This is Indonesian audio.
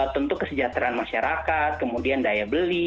tentu kesejahteraan masyarakat kemudian daya beli